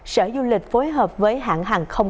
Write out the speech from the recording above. sở du lịch phối hợp với hãng hàng không